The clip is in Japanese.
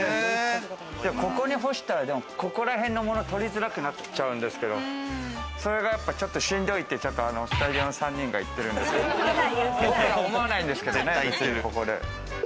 ここに干したら、ここら辺のもの、取りづらくなっちゃうんですけど、それを、ちょっとしんどいって言っちゃうと、スタジオの３人が言ってるんですけど僕は思わないんですけどね。